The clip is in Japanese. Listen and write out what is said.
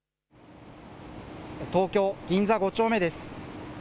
東京・銀座５丁目です。